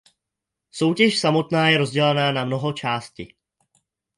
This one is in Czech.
Soutěž samotná je rozdělena na mnoho části.